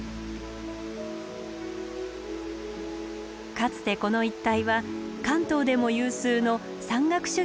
かつてこの一帯は関東でも有数の山岳修行の道場でした。